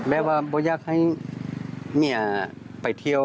แม่ว่าอยากให้เมียไปเที่ยว